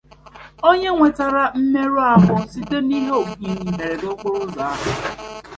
onye nwetara mmerụahụ site n'ihe mberede okporo ụzọ